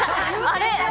あれ？